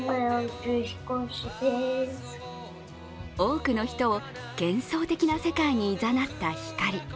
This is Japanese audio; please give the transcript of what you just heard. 多くの人を幻想的な世界にいざなった光。